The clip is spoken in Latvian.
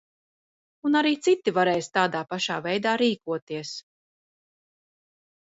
Un arī citi varēs tādā pašā veidā rīkoties.